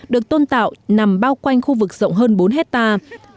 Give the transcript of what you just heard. được tôn tạo nằm bao quanh khu vực rộng hơn bốn hectare